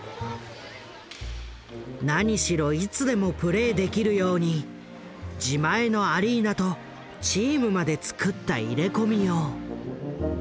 なにしろいつでもプレーできるように自前のアリーナとチームまでつくった入れ込みよう。